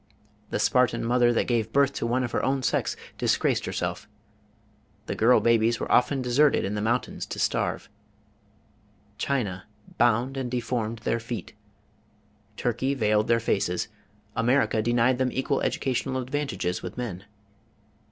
The Spartan mother that gave birth to one of her own sex disgraced herself; the girl babies were often deserted in the mountains to starve; China bound and deformed their feet; Turkey veiled their faces; America denied them equal educational advantages with men.